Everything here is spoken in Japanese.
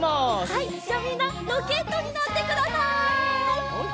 はいじゃあみんなロケットになってください！